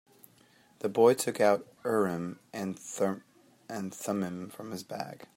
The boy took out Urim and Thummim from his bag.